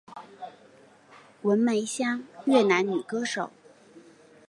文梅香越南女歌手。